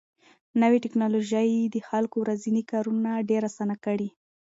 نوې ټکنالوژي د خلکو ورځني کارونه ډېر اسانه کړي